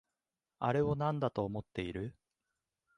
あれをなんだと思ってる？